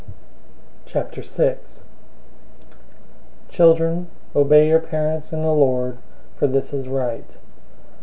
006:001 Children, obey your parents in the Lord, for this is right.